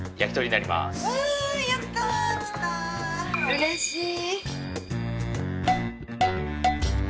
うれしい。